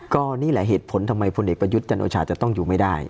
ก็นี่แหละเหตุผลทำไมพลเอกประยุทธ์จันโอชาจะต้องอยู่ไม่ได้